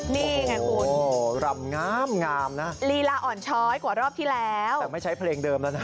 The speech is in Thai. นี่ไงคุณรำงามนะลีลาอ่อนช้อยกว่ารอบที่แล้วแต่ไม่ใช้เพลงเดิมแล้วนะ